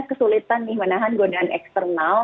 kesulitan nih menahan godaan eksternal